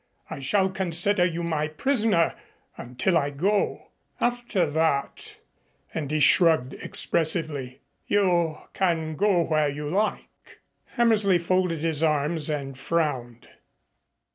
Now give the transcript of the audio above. I shall consider you my prisoner until I go. After that" and he shrugged expressively "you can go where you like." Hammersley folded his arms and frowned.